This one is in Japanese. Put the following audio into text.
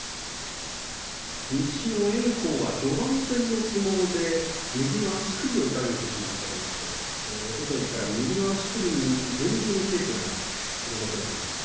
西の炎鵬は序盤戦の相撲で右の足首を痛めてしまったということで、おとといから右の足首に厳重にテープが施されています。